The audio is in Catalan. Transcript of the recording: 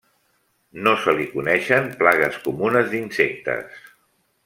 No se li coneixen plagues comunes d'insectes.